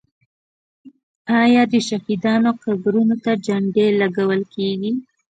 آیا د شهیدانو قبرونو ته جنډې نه لګول کیږي؟